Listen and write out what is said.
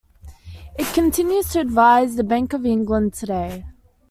It continues to advise the Bank of England today.